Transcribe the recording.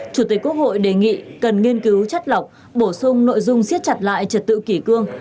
chủ tịch quốc hội đề nghị cần nghiên cứu chất lọc bổ sung nội dung siết chặt lại trật tự kỷ cương